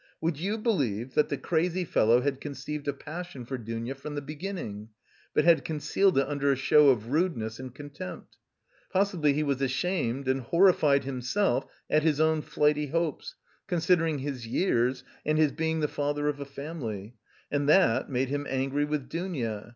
Would you believe that the crazy fellow had conceived a passion for Dounia from the beginning, but had concealed it under a show of rudeness and contempt. Possibly he was ashamed and horrified himself at his own flighty hopes, considering his years and his being the father of a family; and that made him angry with Dounia.